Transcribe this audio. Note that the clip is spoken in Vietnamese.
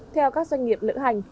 theo các doanh nghiệp lựa hành